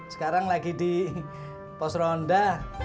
sekarang lagi di pos ronda